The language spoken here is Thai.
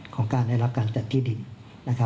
ของการได้รับการจัดที่ดิน